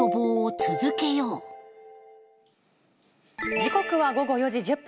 時刻は午後４時１０分。